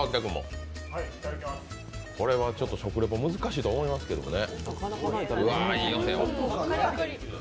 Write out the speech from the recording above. これは食レポ難しいと思うけどね。